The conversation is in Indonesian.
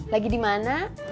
lagi di mana